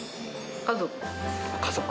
家族。